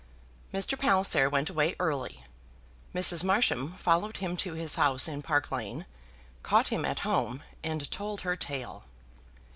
Mr. Palliser went away early, Mrs. Marsham followed him to his house in Park Lane, caught him at home, and told her tale.